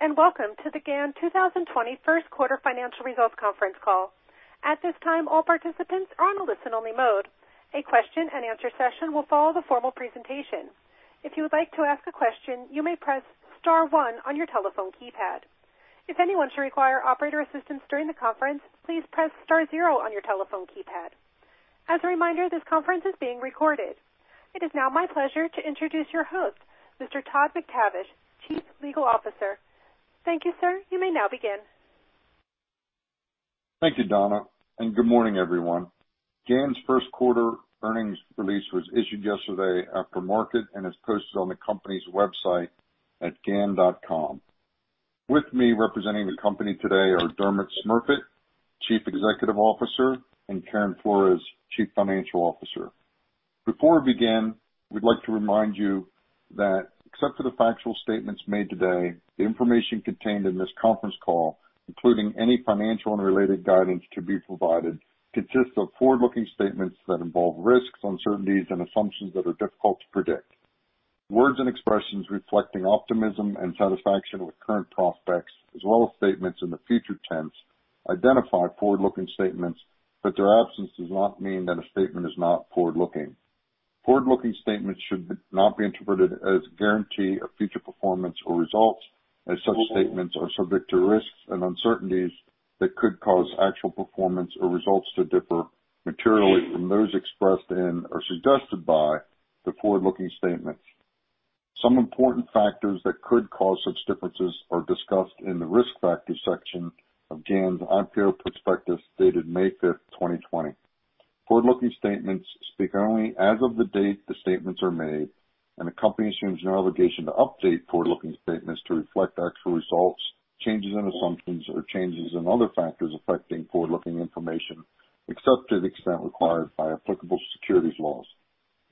Greetings and welcome to the GAN 2020 first quarter financial results conference call. At this time, all participants are on a listen-only mode. A question-and-answer session will follow the formal presentation. If you would like to ask a question, you may press star one on your telephone keypad. If anyone should require operator assistance during the conference, please press star zero on your telephone keypad. As a reminder, this conference is being recorded. It is now my pleasure to introduce your host, Mr. Todd McTavish, Chief Legal Officer. Thank you, sir. You may now begin. Thank you, Donna, and good morning, everyone. GAN's first quarter earnings release was issued yesterday after market and is posted on the company's website at gan.com. With me representing the company today are Dermot Smurfit, Chief Executive Officer, and Karen Flores, Chief Financial Officer. Before we begin, we'd like to remind you that, except for the factual statements made today, the information contained in this conference call, including any financial and related guidance to be provided, consists of forward-looking statements that involve risks, uncertainties, and assumptions that are difficult to predict. Words and expressions reflecting optimism and satisfaction with current prospects, as well as statements in the future tense, identify forward-looking statements, but their absence does not mean that a statement is not forward-looking. Forward-looking statements should not be interpreted as guarantees of future performance or results, as such statements are subject to risks and uncertainties that could cause actual performance or results to differ materially from those expressed in or suggested by the forward-looking statements. Some important factors that could cause such differences are discussed in the risk factor section of GAN's IPO prospectus dated May 5th, 2020. Forward-looking statements speak only as of the date the statements are made, and the company assumes no obligation to update forward-looking statements to reflect actual results, changes in assumptions, or changes in other factors affecting forward-looking information, except to the extent required by applicable securities laws.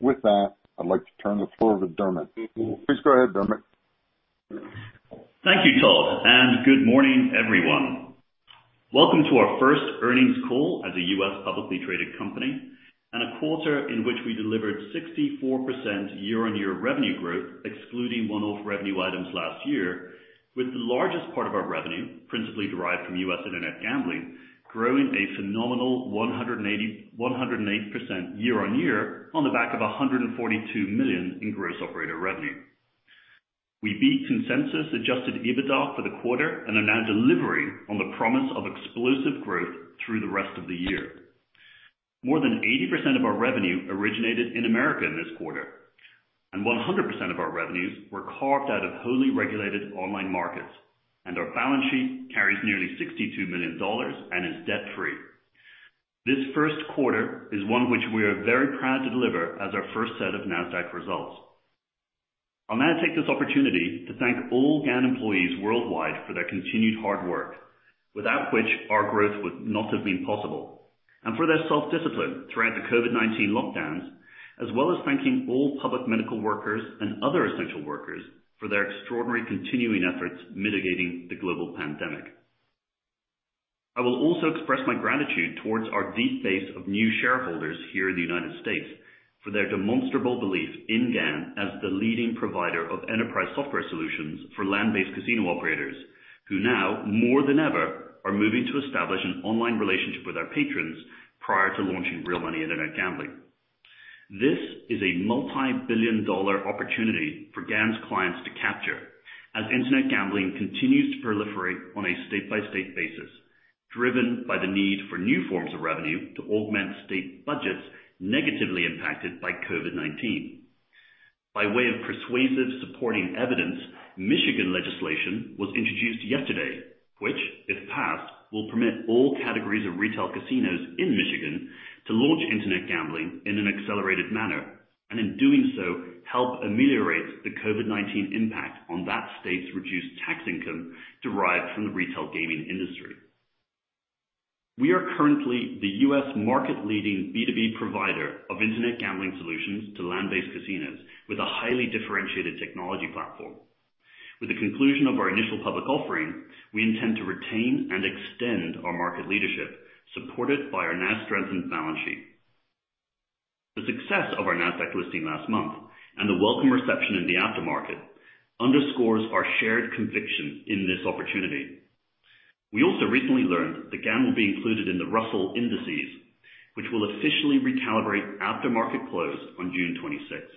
With that, I'd like to turn the floor over to Dermot. Please go ahead, Dermot. Thank you, Todd. And good morning, everyone. Welcome to our first earnings call as a U.S. publicly traded company and a quarter in which we delivered 64% year-on-year revenue growth, excluding one-off revenue items last year, with the largest part of our revenue, principally derived from U.S. internet gambling, growing a phenomenal 108% year-on-year on the back of $142 million in gross operator revenue. We beat consensus-adjusted EBITDA for the quarter and are now delivering on the promise of explosive growth through the rest of the year. More than 80% of our revenue originated in America in this quarter, and 100% of our revenues were carved out of wholly regulated online markets, and our balance sheet carries nearly $62 million and is debt-free. This first quarter is one which we are very proud to deliver as our first set of NASDAQ results. I'll now take this opportunity to thank all GAN employees worldwide for their continued hard work, without which our growth would not have been possible, and for their self-discipline throughout the COVID-19 lockdowns, as well as thanking all public medical workers and other essential workers for their extraordinary continuing efforts mitigating the global pandemic. I will also express my gratitude towards our deep base of new shareholders here in the United States for their demonstrable belief in GAN as the leading provider of enterprise software solutions for land-based casino operators, who now, more than ever, are moving to establish an online relationship with our patrons prior to launching real money internet gambling. This is a multi-billion-dollar opportunity for GAN's clients to capture as internet gambling continues to proliferate on a state-by-state basis, driven by the need for new forms of revenue to augment state budgets negatively impacted by COVID-19. By way of persuasive supporting evidence, Michigan legislation was introduced yesterday, which, if passed, will permit all categories of retail casinos in Michigan to launch internet gambling in an accelerated manner and, in doing so, help ameliorate the COVID-19 impact on that state's reduced tax income derived from the retail gaming industry. We are currently the U.S. market-leading B2B provider of internet gambling solutions to land-based casinos with a highly differentiated technology platform. With the conclusion of our initial public offering, we intend to retain and extend our market leadership, supported by our now strengthened balance sheet. The success of our NASDAQ listing last month and the welcome reception in the aftermarket underscores our shared conviction in this opportunity. We also recently learned that GAN will be included in the Russell Indices, which will officially recalibrate aftermarket close on June 26th.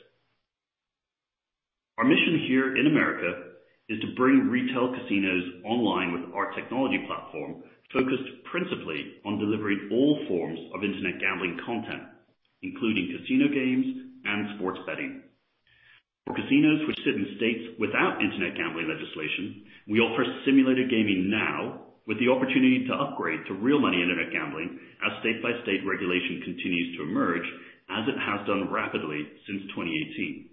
Our mission here in America is to bring retail casinos online with our technology platform focused principally on delivering all forms of internet gambling content, including casino games and sports betting. For casinos which sit in states without internet gambling legislation, we offer Simulated Gaming now with the opportunity to upgrade to real money internet gambling as state-by-state regulation continues to emerge, as it has done rapidly since 2018.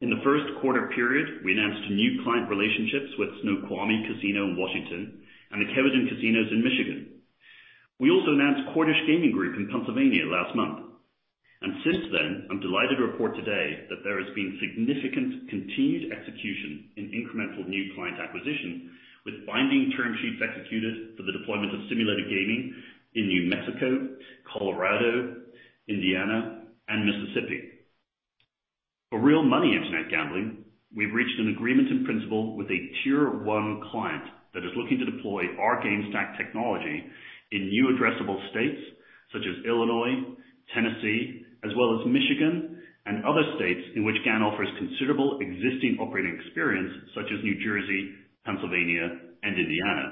In the first quarter period, we announced new client relationships with Snoqualmie Casino in Washington and the Kewadin Casinos in Michigan. We also announced Cordish Gaming Group in Pennsylvania last month, and since then, I'm delighted to report today that there has been significant continued execution and incremental new client acquisition with binding term sheets executed for the deployment of Simulated Gaming in New Mexico, Colorado, Indiana, and Mississippi. For real money internet gambling, we've reached an agreement in principle with a Tier 1 client that is looking to deploy our GameSTACK technology in new addressable states such as Illinois, Tennessee, as well as Michigan and other states in which GAN offers considerable existing operating experience such as New Jersey, Pennsylvania, and Indiana.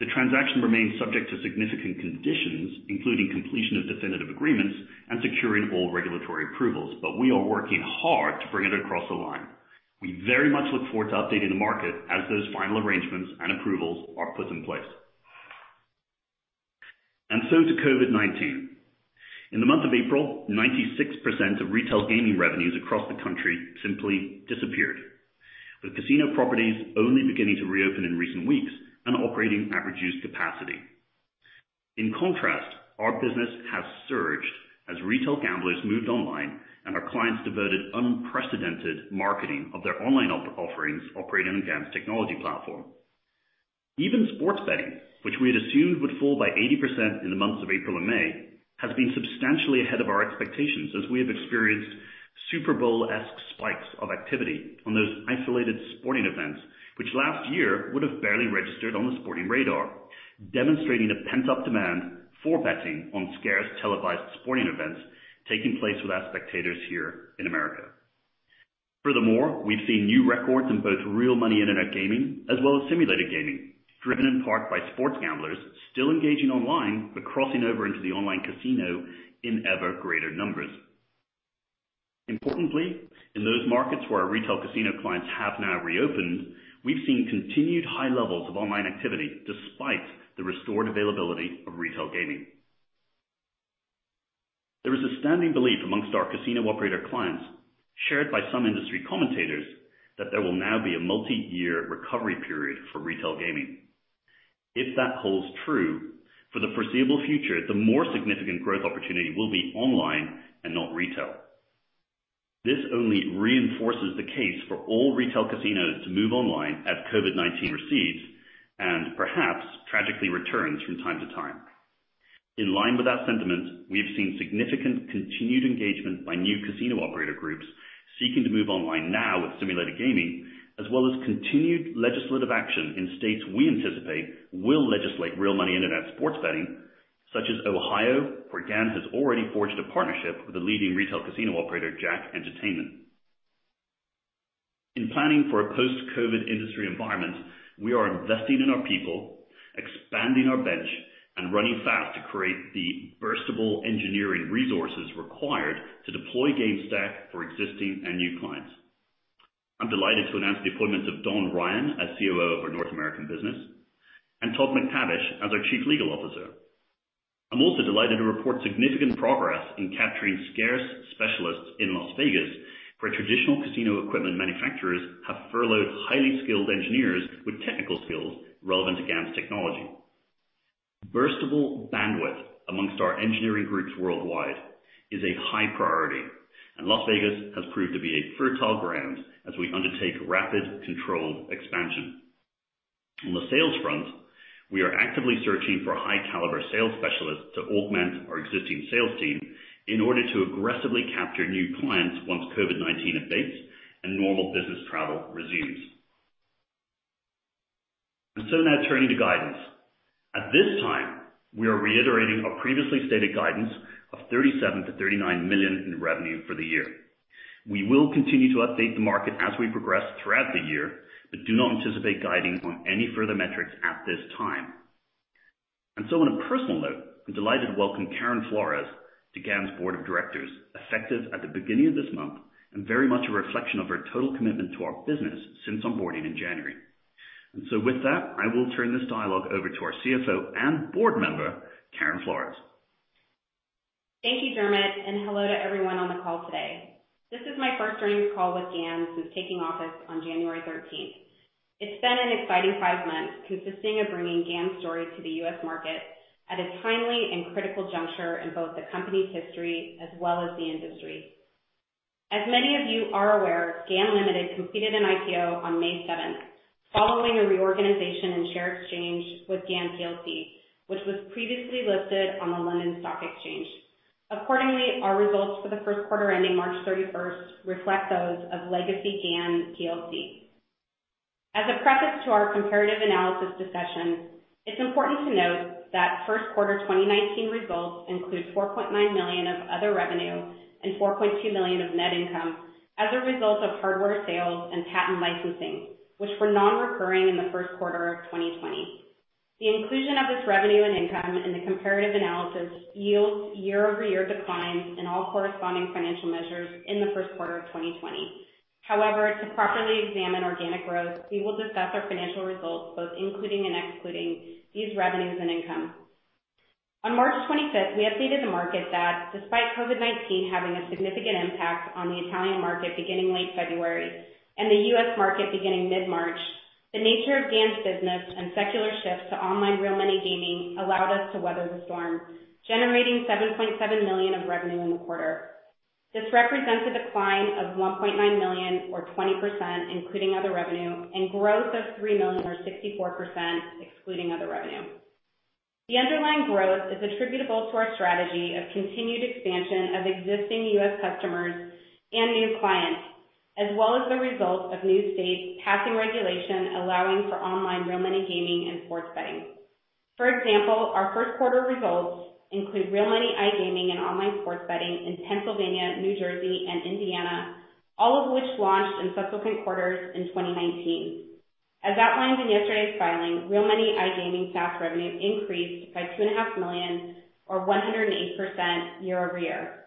The transaction remains subject to significant conditions, including completion of definitive agreements and securing all regulatory approvals, but we are working hard to bring it across the line. We very much look forward to updating the market as those final arrangements and approvals are put in place. And so to COVID-19. In the month of April, 96% of retail gaming revenues across the country simply disappeared, with casino properties only beginning to reopen in recent weeks and operating at reduced capacity. In contrast, our business has surged as retail gamblers moved online and our clients diverted unprecedented marketing of their online offerings operating on GAN's technology platform. Even sports betting, which we had assumed would fall by 80% in the months of April and May, has been substantially ahead of our expectations as we have experienced Super Bowl-esque spikes of activity on those isolated sporting events, which last year would have barely registered on the sporting radar, demonstrating a pent-up demand for betting on scarce televised sporting events taking place with our spectators here in America. Furthermore, we've seen new records in both real money internet gaming as well as Simulated Gaming, driven in part by sports gamblers still engaging online but crossing over into the online casino in ever greater numbers. Importantly, in those markets where our retail casino clients have now reopened, we've seen continued high levels of online activity despite the restored availability of retail gaming. There is a standing belief among our casino operator clients, shared by some industry commentators, that there will now be a multi-year recovery period for retail gaming. If that holds true, for the foreseeable future, the more significant growth opportunity will be online and not retail. This only reinforces the case for all retail casinos to move online as COVID-19 recedes and perhaps tragically returns from time to time. In line with that sentiment, we have seen significant continued engagement by new casino operator groups seeking to move online now with Simulated Gaming, as well as continued legislative action in states we anticipate will legislate real money internet sports betting, such as Ohio, where GAN has already forged a partnership with the leading retail casino operator, Jack Entertainment. In planning for a post-COVID industry environment, we are investing in our people, expanding our bench, and running fast to create the burstable engineering resources required to deploy GameStack for existing and new clients. I'm delighted to announce the appointments of Don Ryan as COO of our North American business and Todd McTavish as our Chief Legal Officer. I'm also delighted to report significant progress in capturing scarce specialists in Las Vegas where traditional casino equipment manufacturers have furloughed highly skilled engineers with technical skills relevant to GAN's technology. Burstable bandwidth among our engineering groups worldwide is a high priority, and Las Vegas has proved to be a fertile ground as we undertake rapid, controlled expansion. On the sales front, we are actively searching for high-caliber sales specialists to augment our existing sales team in order to aggressively capture new clients once COVID-19 abates and normal business travel resumes. And so now turning to guidance. At this time, we are reiterating our previously stated guidance of $37-$39 million in revenue for the year. We will continue to update the market as we progress throughout the year, but do not anticipate guiding on any further metrics at this time. On a personal note, I'm delighted to welcome Karen Flores to GAN's board of directors, effective at the beginning of this month and very much a reflection of her total commitment to our business since onboarding in January. With that, I will turn this dialogue over to our CFO and board member, Karen Flores. Thank you, Dermot, and hello to everyone on the call today. This is my first earnings call with GAN since taking office on January 13th. It's been an exciting five months consisting of bringing GAN's story to the U.S. market at a timely and critical juncture in both the company's history as well as the industry. As many of you are aware, GAN Limited completed an IPO on May 7th following a reorganization and share exchange with GAN PLC, which was previously listed on the London Stock Exchange. Accordingly, our results for the first quarter ending March 31st reflect those of Legacy GAN PLC. As a preface to our comparative analysis discussion, it's important to note that first quarter 2019 results include $4.9 million of other revenue and $4.2 million of net income as a result of hardware sales and patent licensing, which were non-recurring in the first quarter of 2020. The inclusion of this revenue and income in the comparative analysis yields year-over-year declines in all corresponding financial measures in the first quarter of 2020. However, to properly examine organic growth, we will discuss our financial results, both including and excluding these revenues and income. On March 25th, we updated the market that despite COVID-19 having a significant impact on the Italian market beginning late February and the U.S. market beginning mid-March, the nature of GAN's business and secular shift to online real money gaming allowed us to weather the storm, generating $7.7 million of revenue in the quarter. This represents a decline of $1.9 million, or 20%, including other revenue, and growth of $3 million, or 64%, excluding other revenue. The underlying growth is attributable to our strategy of continued expansion of existing U.S. customers and new clients, as well as the result of new states passing regulation allowing for online real money gaming and sports betting. For example, our first quarter results include real money iGaming and online sports betting in Pennsylvania, New Jersey, and Indiana, all of which launched in subsequent quarters in 2019. As outlined in yesterday's filing, real money iGaming SaaS revenue increased by $2.5 million, or 108%, year-over-year.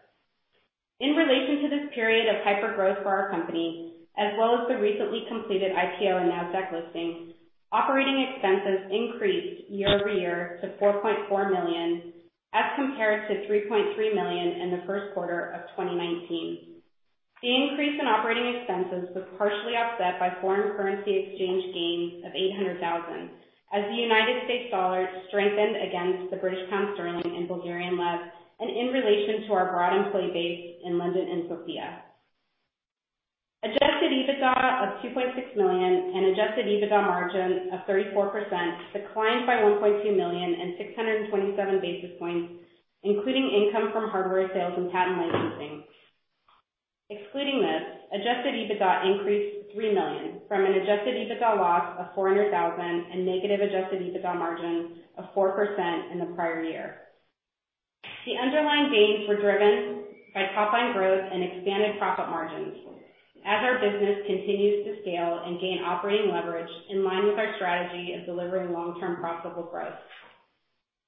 In relation to this period of hyper-growth for our company, as well as the recently completed IPO and NASDAQ listing, operating expenses increased year-over-year to $4.4 million as compared to $3.3 million in the first quarter of 2019. The increase in operating expenses was partially offset by foreign currency exchange gains of $800,000 as the United States dollar strengthened against the British pound sterling and Bulgarian lev, and in relation to our broad employee base in London and Sofia. Adjusted EBITDA of $2.6 million and adjusted EBITDA margin of 34% declined by $1.2 million and 627 basis points, including income from hardware sales and patent licensing. Excluding this, adjusted EBITDA increased $3 million from an adjusted EBITDA loss of $400,000 and negative adjusted EBITDA margin of 4% in the prior year. The underlying gains were driven by top-line growth and expanded profit margins as our business continues to scale and gain operating leverage in line with our strategy of delivering long-term profitable growth.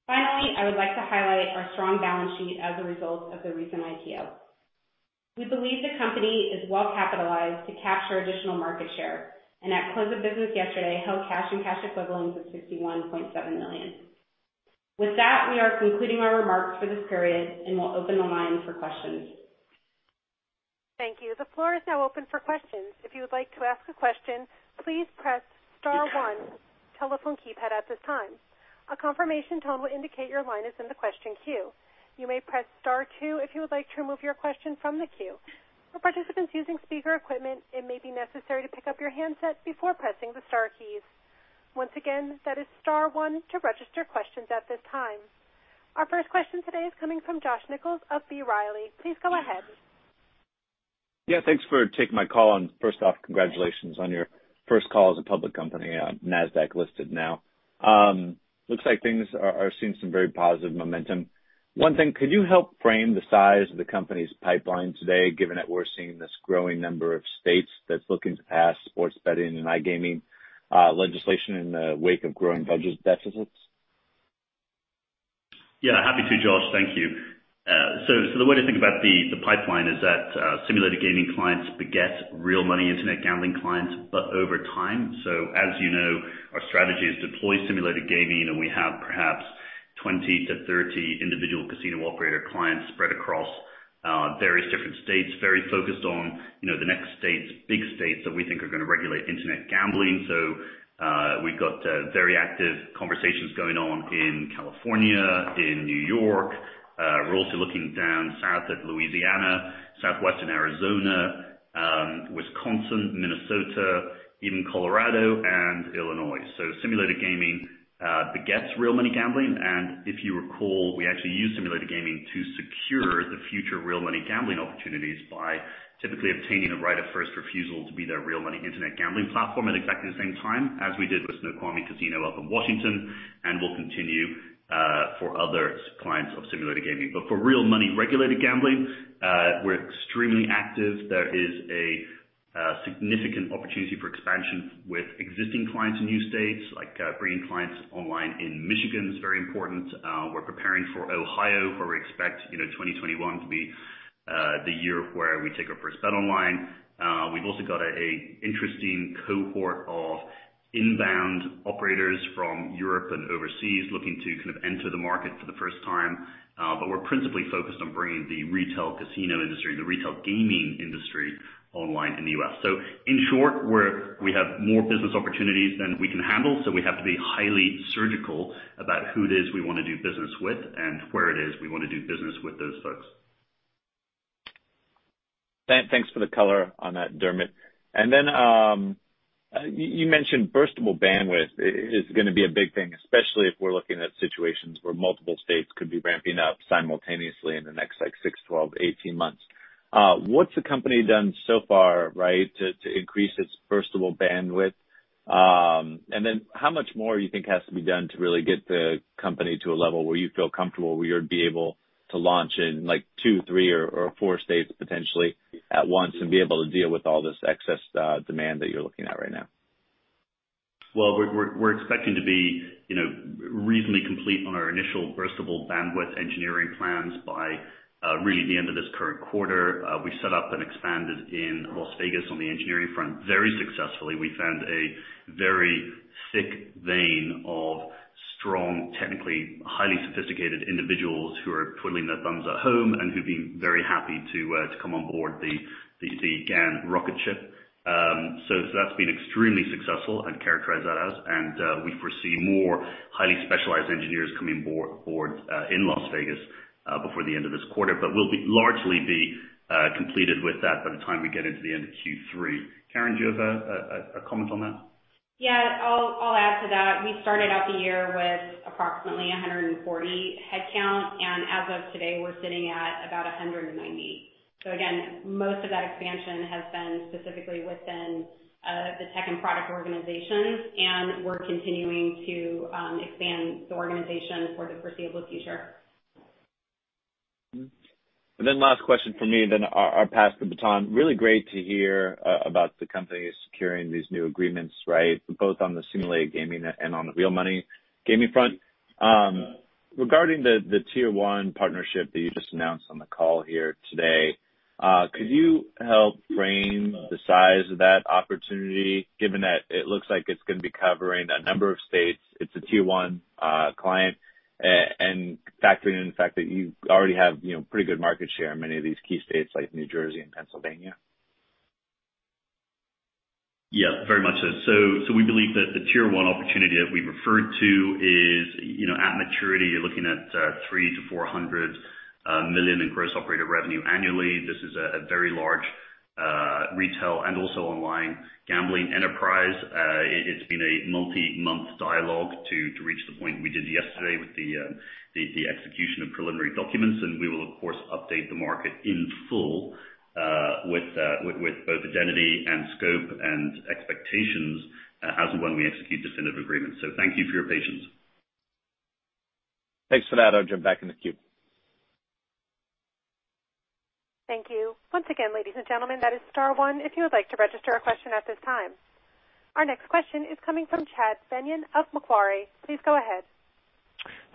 Finally, I would like to highlight our strong balance sheet as a result of the recent IPO. We believe the company is well-capitalized to capture additional market share and, at close of business yesterday, held cash and cash equivalents of $61.7 million. With that, we are concluding our remarks for this period and will open the line for questions. Thank you. The floor is now open for questions. If you would like to ask a question, please press Star one, telephone keypad at this time. A confirmation tone will indicate your line is in the question queue. You may press Star two if you would like to remove your question from the queue. For participants using speaker equipment, it may be necessary to pick up your handset before pressing the Star keys. Once again, that is Star one to register questions at this time. Our first question today is coming from Josh Nichols of B. Riley. Please go ahead. Yeah, thanks for taking my call. And first off, congratulations on your first call as a public company. NASDAQ listed now. Looks like things are seeing some very positive momentum. One thing, could you help frame the size of the company's pipeline today, given that we're seeing this growing number of states that's looking to pass sports betting and iGaming legislation in the wake of growing budget deficits? Yeah, happy to, Josh. Thank you. So the way to think about the pipeline is that Simulated Gaming clients beget real money internet gambling clients, but over time. So as you know, our strategy is to deploy Simulated Gaming, and we have perhaps 20 to 30 individual casino operator clients spread across various different states, very focused on the next states, big states that we think are going to regulate internet gambling. So we've got very active conversations going on in California, in New York. We're also looking down south at Louisiana, southwestern Arizona, Wisconsin, Minnesota, even Colorado and Illinois. So Simulated Gaming begets real money gambling. And if you recall, we actually use Simulated Gaming to secure the future real money gambling opportunities by typically obtaining a right of first refusal to be their real money internet gambling platform at exactly the same time as we did with Snoqualmie Casino up in Washington, and will continue for other clients of Simulated Gaming. But for real money regulated gambling, we're extremely active. There is a significant opportunity for expansion with existing clients in new states, like bringing clients online in Michigan is very important. We're preparing for Ohio, where we expect 2021 to be the year where we take our first bet online. We've also got an interesting cohort of inbound operators from Europe and overseas looking to kind of enter the market for the first time. But we're principally focused on bringing the retail casino industry, the retail gaming industry online in the U.S. So in short, we have more business opportunities than we can handle. So we have to be highly surgical about who it is we want to do business with and where it is we want to do business with those folks. Thanks for the color on that, Dermot. And then you mentioned burstable bandwidth is going to be a big thing, especially if we're looking at situations where multiple states could be ramping up simultaneously in the next six, 12, 18 months. What's the company done so far, right, to increase its burstable bandwidth? And then how much more do you think has to be done to really get the company to a level where you feel comfortable where you're able to launch in two, three, or four states potentially at once and be able to deal with all this excess demand that you're looking at right now? We're expecting to be reasonably complete on our initial burstable bandwidth engineering plans by really the end of this current quarter. We set up and expanded in Las Vegas on the engineering front very successfully. We found a very thick vein of strong, technically highly sophisticated individuals who are twiddling their thumbs at home and who've been very happy to come on board the GAN rocket ship. So that's been extremely successful. I'd characterize that as. We foresee more highly specialized engineers coming on board in Las Vegas before the end of this quarter. We'll largely be completed with that by the time we get into the end of Q3. Karen, do you have a comment on that? Yeah, I'll add to that. We started out the year with approximately 140 headcount, and as of today, we're sitting at about 190, so again, most of that expansion has been specifically within the tech and product organizations, and we're continuing to expand the organization for the foreseeable future. And then last question for me, then I'll pass the baton. Really great to hear about the company securing these new agreements, right, both on the Simulated Gaming and on the real money gaming front. Regarding the Tier 1 partnership that you just announced on the call here today, could you help frame the size of that opportunity, given that it looks like it's going to be covering a number of states? It's a Tier 1 client. And factoring in the fact that you already have pretty good market share in many of these key states like New Jersey and Pennsylvania. Yeah, very much so. So we believe that the Tier 1 opportunity that we referred to is at maturity, you're looking at $300-$400 million in gross operator revenue annually. This is a very large retail and also online gambling enterprise. It's been a multi-month dialogue to reach the point we did yesterday with the execution of preliminary documents. And we will, of course, update the market in full with both identity and scope and expectations as and when we execute definitive agreements. So thank you for your patience. Thanks for that. I'll jump back in the queue. Thank you. Once again, ladies and gentlemen, that is Star one. If you would like to register a question at this time. Our next question is coming from Chad Beynon of Macquarie. Please go ahead.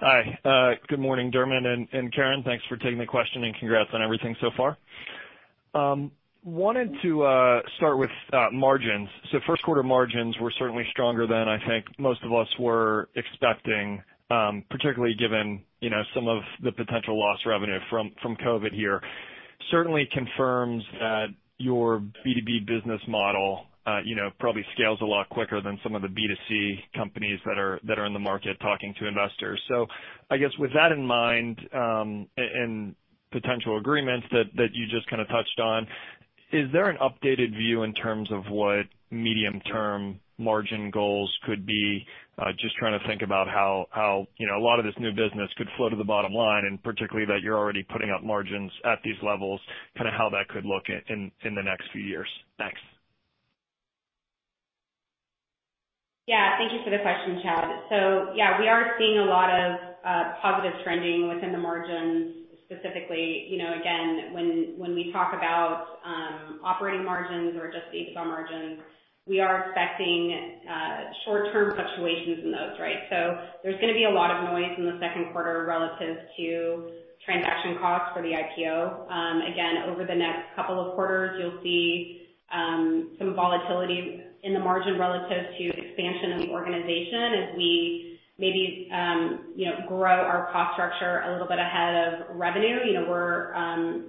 Hi. Good morning, Dermot and Karen. Thanks for taking the question and congrats on everything so far. Wanted to start with margins. So first quarter margins were certainly stronger than I think most of us were expecting, particularly given some of the potential loss revenue from COVID here. Certainly confirms that your B2B business model probably scales a lot quicker than some of the B2C companies that are in the market talking to investors. So I guess with that in mind and potential agreements that you just kind of touched on, is there an updated view in terms of what medium-term margin goals could be? Just trying to think about how a lot of this new business could flow to the bottom line and particularly that you're already putting up margins at these levels, kind of how that could look in the next few years. Thanks. Yeah, thank you for the question, Chad. So yeah, we are seeing a lot of positive trending within the margins specifically. Again, when we talk about operating margins or just EBITDA margins, we are expecting short-term fluctuations in those, right? So there's going to be a lot of noise in the second quarter relative to transaction costs for the IPO. Again, over the next couple of quarters, you'll see some volatility in the margin relative to expansion of the organization as we maybe grow our cost structure a little bit ahead of revenue. We're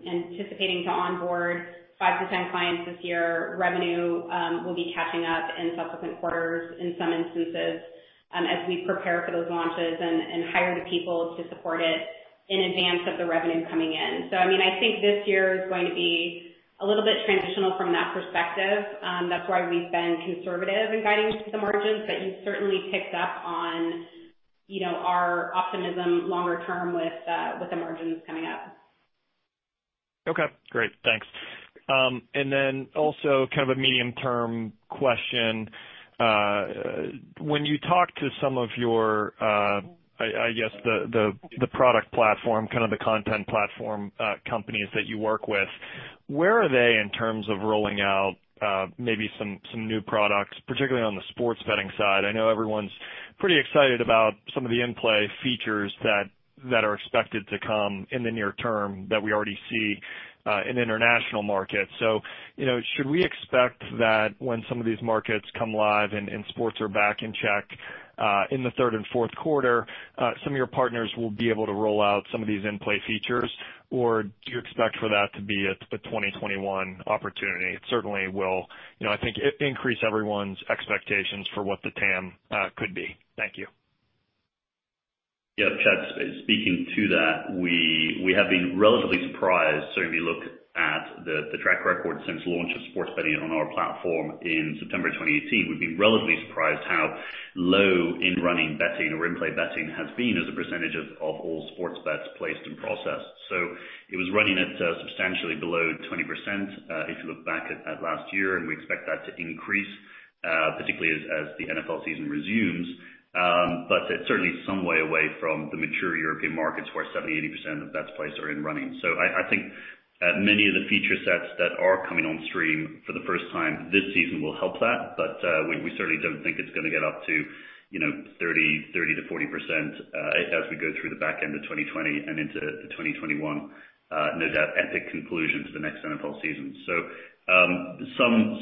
anticipating to onboard five to 10 clients this year. Revenue will be catching up in subsequent quarters in some instances as we prepare for those launches and hire the people to support it in advance of the revenue coming in. So I mean, I think this year is going to be a little bit transitional from that perspective. That's why we've been conservative in guiding the margins. But you've certainly picked up on our optimism longer term with the margins coming up. Okay. Great. Thanks. And then also kind of a medium-term question. When you talk to some of your, I guess, the product platform, kind of the content platform companies that you work with, where are they in terms of rolling out maybe some new products, particularly on the sports betting side? I know everyone's pretty excited about some of the in-play features that are expected to come in the near term that we already see in international markets. So should we expect that when some of these markets come live and sports are back in check in the third and fourth quarter, some of your partners will be able to roll out some of these in-play features, or do you expect for that to be a 2021 opportunity? It certainly will, I think, increase everyone's expectations for what the TAM could be. Thank you. Yeah, Chad, speaking to that, we have been relatively surprised. So if you look at the track record since launch of sports betting on our platform in September 2018, we've been relatively surprised how low in-running betting or in-play betting has been as a percentage of all sports bets placed and processed. So it was running at substantially below 20% if you look back at last year, and we expect that to increase, particularly as the NFL season resumes, but it's certainly some way away from the mature European markets where 70%-80% of bets placed are in running. So I think many of the feature sets that are coming on stream for the first time this season will help that. But we certainly don't think it's going to get up to 30%-40% as we go through the back end of 2020 and into 2021, no doubt epic conclusion to the next NFL season. So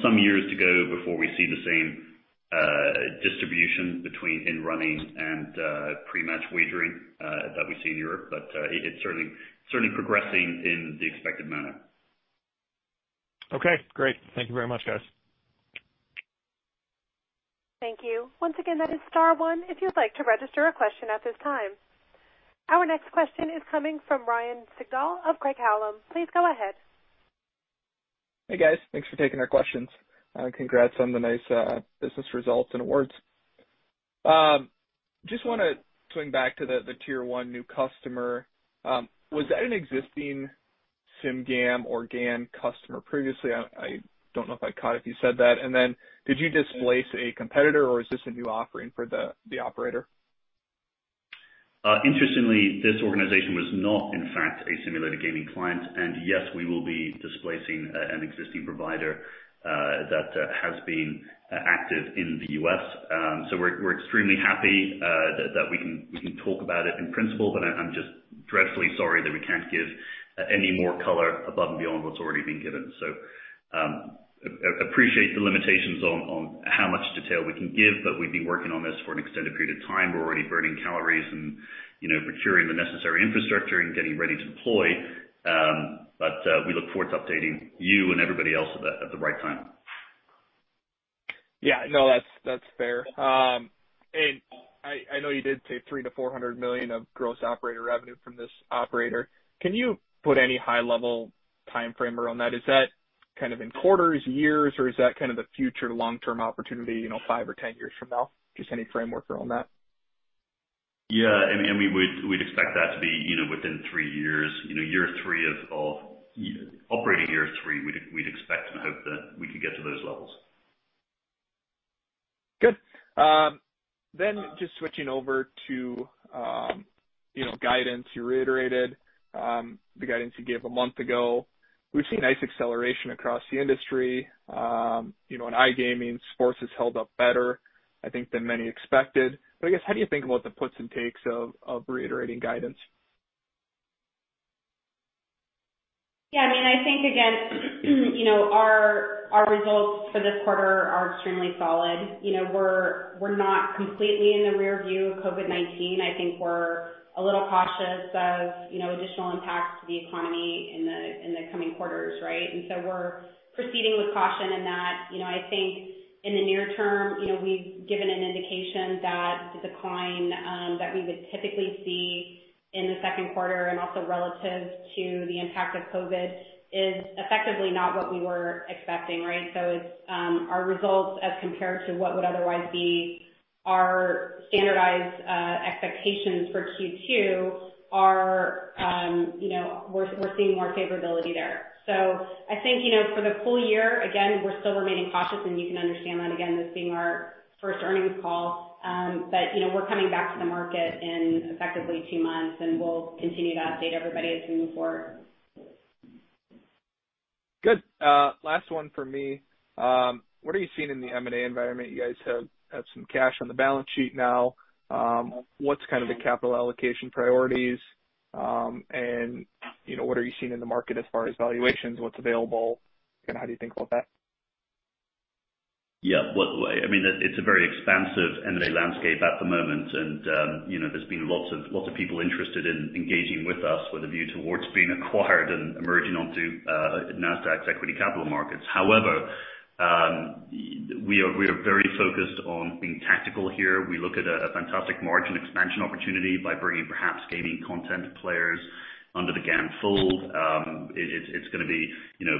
some years to go before we see the same distribution between in-running and pre-match wagering that we see in Europe. But it's certainly progressing in the expected manner. Okay. Great. Thank you very much, guys. Thank you. Once again, that is Star one. If you'd like to register a question at this time. Our next question is coming from Ryan Sigdahl of Craig-Hallum. Please go ahead. Hey, guys. Thanks for taking our questions. Congrats on the nice business results and awards. Just want to swing back to the Tier 1 new customer. Was that an existing Simulated Gaming or GAN customer previously? I don't know if I caught if you said that. And then did you displace a competitor, or is this a new offering for the operator? Interestingly, this organization was not, in fact, a Simulated gaming client. And yes, we will be displacing an existing provider that has been active in the U.S. So we're extremely happy that we can talk about it in principle. But I'm just dreadfully sorry that we can't give any more color above and beyond what's already been given. So appreciate the limitations on how much detail we can give. But we've been working on this for an extended period of time. We're already burning calories and procuring the necessary infrastructure and getting ready to deploy. But we look forward to updating you and everybody else at the right time. Yeah. No, that's fair. And I know you did say $300-$400 million of gross operator revenue from this operator. Can you put any high-level time frame around that? Is that kind of in quarters, years, or is that kind of the future long-term opportunity five or 10 years from now? Just any framework around that? Yeah. And we'd expect that to be within three years. Year three of operating year three, we'd expect and hope that we could get to those levels. Good. Then just switching over to guidance. You reiterated the guidance you gave a month ago. We've seen nice acceleration across the industry. In iGaming, sports has held up better, I think, than many expected. But I guess, how do you think about the puts and takes of reiterating guidance? Yeah. I mean, I think, again, our results for this quarter are extremely solid. We're not completely in the rearview of COVID-19. I think we're a little cautious of additional impacts to the economy in the coming quarters, right? And so we're proceeding with caution in that. I think in the near term, we've given an indication that the decline that we would typically see in the second quarter and also relative to the impact of COVID is effectively not what we were expecting, right? So our results as compared to what would otherwise be our standardized expectations for Q2, we're seeing more favorability there. So I think for the full year, again, we're still remaining cautious. And you can understand that, again, this being our first earnings call. But we're coming back to the market in effectively two months. And we'll continue to update everybody as we move forward. Good. Last one for me. What are you seeing in the M&A environment? You guys have some cash on the balance sheet now. What's kind of the capital allocation priorities? And what are you seeing in the market as far as valuations? What's available? And how do you think about that? Yeah. I mean, it's a very expansive M&A landscape at the moment. And there's been lots of people interested in engaging with us with a view towards being acquired and emerging onto NASDAQ's equity capital markets. However, we are very focused on being tactical here. We look at a fantastic margin expansion opportunity by bringing perhaps gaming content players under the GAN fold. It's going to be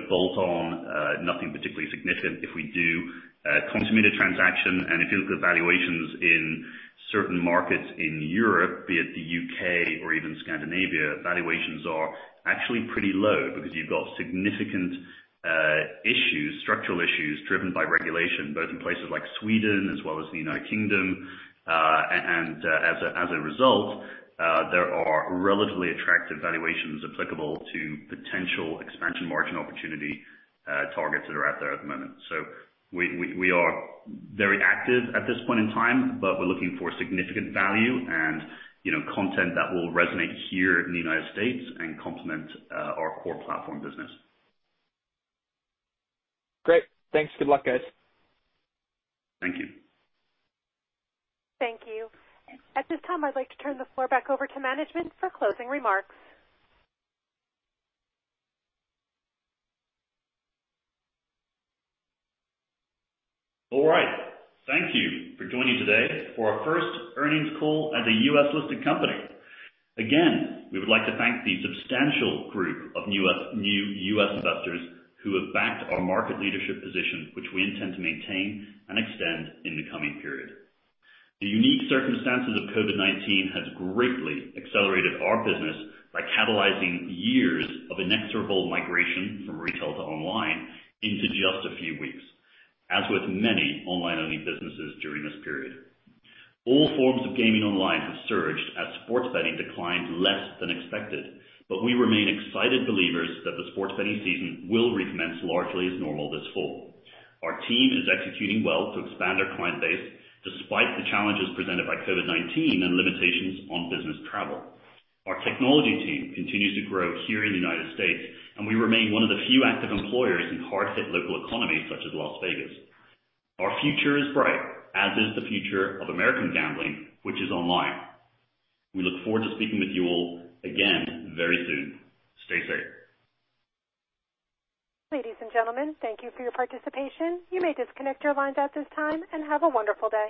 bolt-on, nothing particularly significant if we do consummate a transaction. And if you look at valuations in certain markets in Europe, be it the U.K. or even Scandinavia, valuations are actually pretty low because you've got significant issues, structural issues driven by regulation, both in places like Sweden as well as the United Kingdom. And as a result, there are relatively attractive valuations applicable to potential expansion margin opportunity targets that are out there at the moment. We are very active at this point in time. We're looking for significant value and content that will resonate here in the United States and complement our core platform business. Great. Thanks. Good luck, guys. Thank you. Thank you. At this time, I'd like to turn the floor back over to management for closing remarks. All right. Thank you for joining today for our first earnings call at a U.S.-listed company. Again, we would like to thank the substantial group of new U.S. investors who have backed our market leadership position, which we intend to maintain and extend in the coming period. The unique circumstances of COVID-19 have greatly accelerated our business by catalyzing years of inexorable migration from retail to online into just a few weeks, as with many online-only businesses during this period. All forms of gaming online have surged as sports betting declined less than expected. But we remain excited believers that the sports betting season will recommence largely as normal this fall. Our team is executing well to expand our client base despite the challenges presented by COVID-19 and limitations on business travel. Our technology team continues to grow here in the United States. We remain one of the few active employers in hard-hit local economies such as Las Vegas. Our future is bright, as is the future of American gambling, which is online. We look forward to speaking with you all again very soon. Stay safe. Ladies and gentlemen, thank you for your participation. You may disconnect your lines at this time and have a wonderful day.